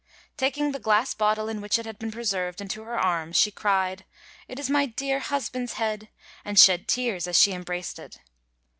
Taking the glass bottle in which it had been preserved into her arms, she cried, "It is my dear husband's head," and shed tears as she embraced it.